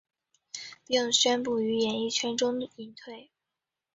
并宣布于演艺圈中隐退。